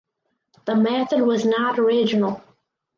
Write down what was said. The method was not original.